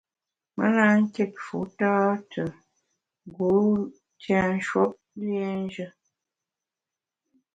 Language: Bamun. Me na kit fu tâ te ngu tienshwuop liénjù.